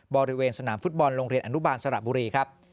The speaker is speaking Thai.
บริเวณสนามฟุตบอลโรงเรียนอนุบาลสระบุรีครับ